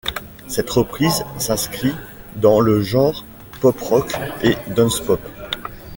Cette reprise s'inscrit dans le genre pop-rock et dance-pop.